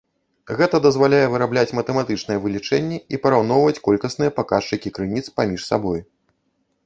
Гэта дазваляе вырабляць матэматычныя вылічэнні і параўноўваць колькасныя паказчыкі крыніц паміж сабой.